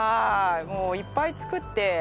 もういっぱい作って。